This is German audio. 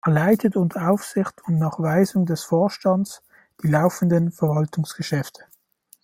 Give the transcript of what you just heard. Er leitet unter Aufsicht und nach Weisung des Vorstands die laufenden Verwaltungsgeschäfte.